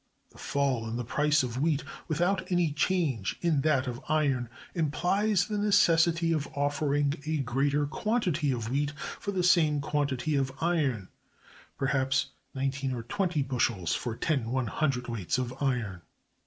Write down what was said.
The fall in the price of wheat, without any change in that of iron, implies the necessity of offering a greater quantity of wheat for the same quantity of iron, perhaps nineteen or twenty bushels for ten cwts. of iron.